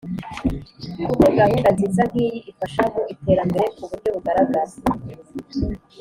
Ku bwe, gahunda nziza nk’iyi ifasha mu iterambere ku buryo bugaragara